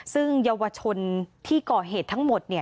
ซึ่งเยาวชนที่ก่อเหตุทั้งหมด